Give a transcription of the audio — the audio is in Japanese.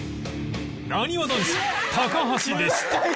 なにわ男子高橋でした